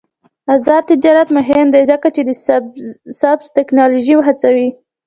آزاد تجارت مهم دی ځکه چې سبز تکنالوژي هڅوي.